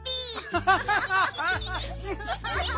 アハハハハ！